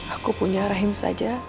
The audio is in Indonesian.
aku punya rahim saja